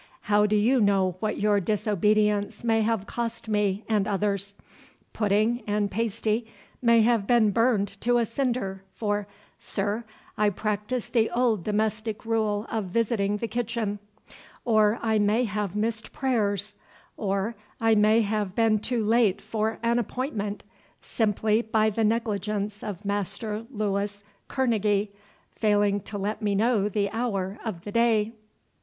How do you know what your disobedience may have cost me and others? Pudding and pasty may have been burned to a cinder, for, sir, I practise the old domestic rule of visiting the kitchen; or I may have missed prayers, or I may have been too late for an appointment, simply by the negligence of Master Louis Kerneguy failing to let me know the hour of the day."